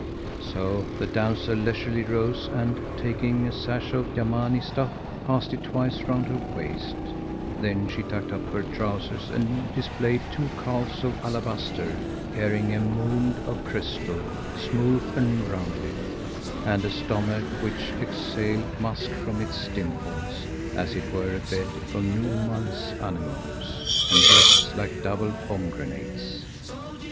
So the damsel leisurely rose and, taking a sash of Yamani stuff, passed it twice round her waist, then she tucked up her trousers and displayed two calves of alabaster carrying a mound of crystal, smooth and rounded, and a stomach which exhaled musk from its dimples, as it were a bed of Nu'uman's anemones; and breasts like double pomegranates.